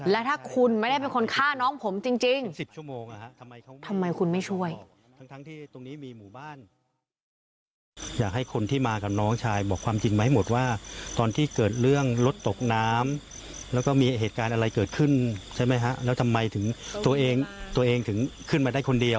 และถ้าคุณไม่ได้เป็นคนฆ่าน้องผมจริง๑๐ชั่วโมงทำไมคุณไม่ช่วย